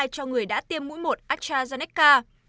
cho người đã tiêm mũi một astrazeneca